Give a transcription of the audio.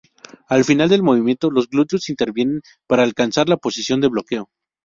Al final del movimiento los glúteos intervienen para alcanzar la posición de bloqueo.